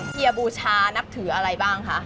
เกียร์บูชานับถืออะไรบ้างคะ